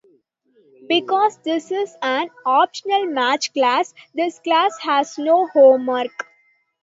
Because this is an optional math class, this class has no homework